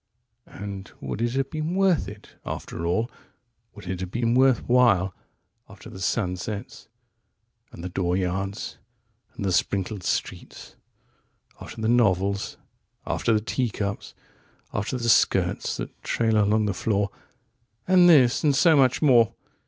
"99And would it have been worth it, after all,100Would it have been worth while,101After the sunsets and the dooryards and the sprinkled streets,102After the novels, after the teacups, after the skirts that trail along the floor 103And this, and so much more?